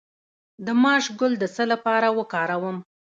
د ماش ګل د څه لپاره وکاروم؟